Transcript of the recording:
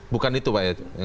bukan itu pak ya